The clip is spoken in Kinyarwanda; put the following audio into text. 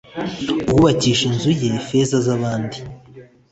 uwubakisha inzu ye feza z'abandi